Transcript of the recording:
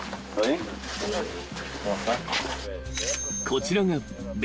［こちらが］